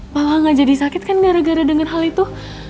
malah gak jadi sakit kan gara gara denger hal itu